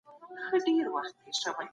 زموږ خپلمنځي اړيکې سختې ژوبل سوي دي.